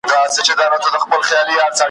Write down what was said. بیا به کله راسي، وايي بله ورځ `